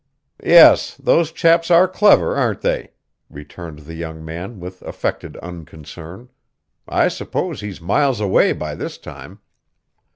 "Yes, those chaps are clever, aren't they?" returned the young man with affected unconcern. "I suppose he's miles away by this time."